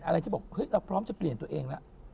อะไรที่บอกเฮ้ยเราพร้อมจะเปลี่ยนตัวเองแล้ว